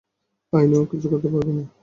আইনও কিছু করতে পারবে না।